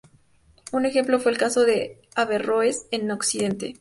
Un ejemplo fue el caso de Averroes en Occidente.